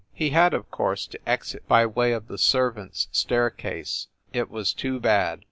He had, of course, to exit by way of the servants staircase. It was too bad.